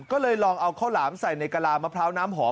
ก็เลยลองเอาข้าวหลามใส่ในกะลามะพร้าวน้ำหอม